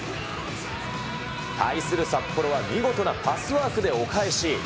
対する札幌は見事なパスワークでお返し。